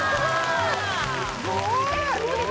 すごい！